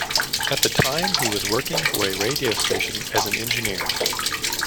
At the time he was working for a radio station as an engineer.